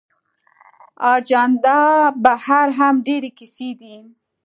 اجندا بهر هم ډېرې کیسې دي.